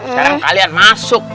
sekarang kalian masuk